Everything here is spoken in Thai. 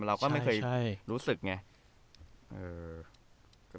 เราก็ไม่เคยรู้สึกไง